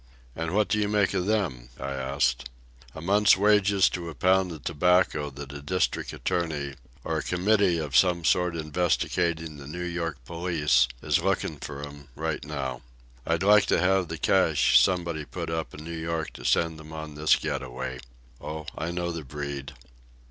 "And what do you make of them?" I asked. "A month's wages to a pound of tobacco that a district attorney, or a committee of some sort investigating the New York police is lookin' for 'em right now. I'd like to have the cash somebody's put up in New York to send them on this get away. Oh, I know the breed."